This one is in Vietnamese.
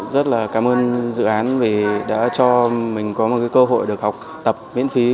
rất là cảm ơn dự án vì đã cho mình có một cơ hội được học tập miễn phí